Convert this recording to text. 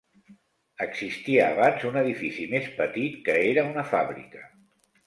Existia abans un edifici més petit que era una fàbrica.